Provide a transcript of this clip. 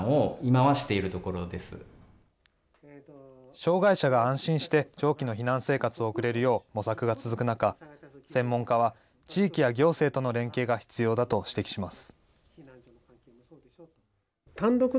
障害者が安心して長期の避難生活を送れるよう模索が続く中、専門家は地域や行政との連携が必要だと指摘します。